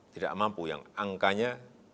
tidak mampu yang angkanya